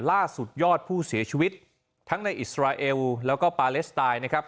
ล่าสุดยอดผู้เสียชีวิตทั้งในอิสราเอลแล้วก็ปาเลสไตน์นะครับ